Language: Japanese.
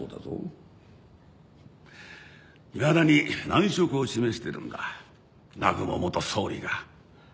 いまだに難色を示してるんだ南雲元総理が。